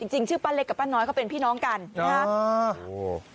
จริงชื่อป้าเล็กกับป้าน้อยเขาเป็นพี่น้องกันนะครับ